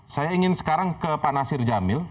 saya ingin sekarang ke pak nasir jamil